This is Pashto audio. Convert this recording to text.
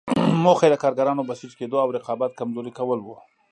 موخه یې د کارګرانو بسیج کېدو او رقابت کمزوري کول وو.